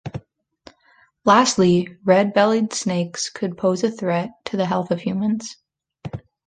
Lastly, red-bellied snakes could pose a threat to the health of humans.